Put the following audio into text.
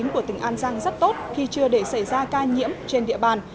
của tỉnh an giang rất tốt khi chưa để xảy ra ca nhiễm trên địa bàn